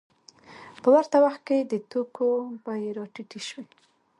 په ورته وخت کې د توکو بیې راټیټې شوې